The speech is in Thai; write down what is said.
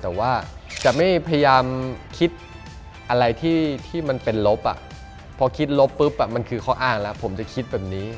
แต่ว่าจะไม่พยายามคิดอะไรที่มันเป็นลบพอคิดลบปุ๊บมันคือข้ออ้างแล้วผมจะคิดแบบนี้